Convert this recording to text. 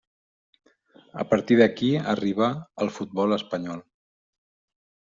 A partir d'aquí arriba al futbol espanyol.